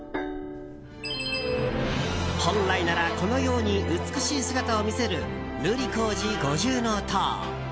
本来なら、このように美しい姿を見せる瑠璃光寺五重塔。